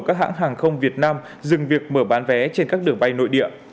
các hãng hàng không việt nam dừng việc mở bán vé trên các đường bay nội địa